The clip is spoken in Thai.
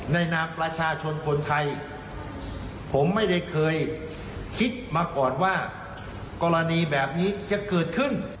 นามประชาชนคนไทยผมไม่ได้เคยคิดมาก่อนว่ากรณีแบบนี้จะเกิดขึ้น